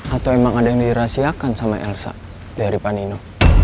atau emang ada yang dirahsiakan sama elsa dari pandino